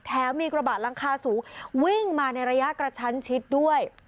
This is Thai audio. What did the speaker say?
มีกระบะหลังคาสูงวิ่งมาในระยะกระชั้นชิดด้วย